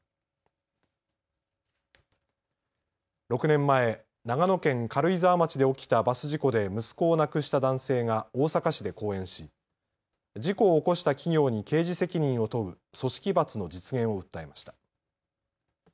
６年前、長野県軽井沢町で起きたバス事故で息子を亡くした男性が大阪市で講演し事故を起こした企業に刑事責任を問う組織罰の実現を訴えました。